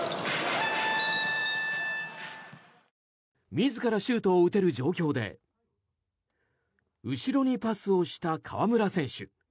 自らシュートを打てる状況で後ろにパスをした河村選手。